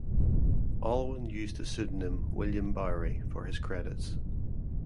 Alwyn used the pseudonym William Bowery for his credits.